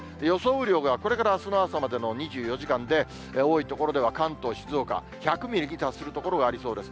雨量が、これからあすの朝までの２４時間で、多い所では関東、静岡、１００ミリに達する所がありそうです。